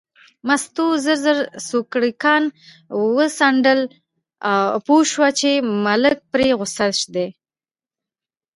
مستو ژر ژر سوکړکان وڅنډل، پوه شوه چې ملک پرې غوسه دی.